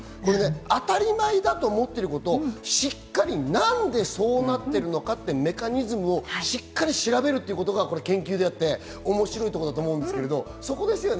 当たり前だと思っていること、しっかり何でそうなっているのかってメカニズムをしっかり調べるということが研究であって、面白いってことだと思うんですけど、そこですよね？